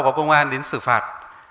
có công an đến xử phạt